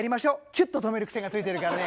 キュッと止めるくせがついてるからね